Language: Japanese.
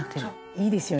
「いいですよね」